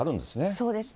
そうですね。